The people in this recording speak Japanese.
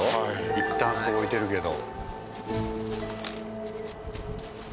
いったんそこ置いてるけど。